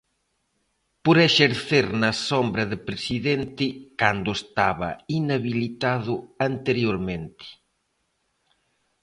Por exercer na sombra de presidente cando estaba inhabilitado anteriormente.